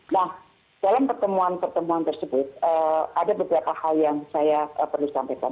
nah dalam pertemuan pertemuan tersebut ada beberapa pertemuan